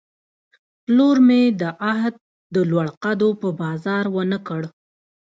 پلور مې د عهد، د لوړ قدو په بازار ونه کړ